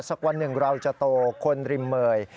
สักวันหนึ่งเราจะโตคนริมเมย